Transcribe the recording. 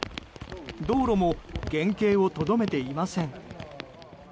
道路も原形をとどめていません。